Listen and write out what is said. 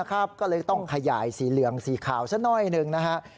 ก็เลยต้องขยายสีเหลืองสีขาวสักหน่อยหนึ่งนะฮะ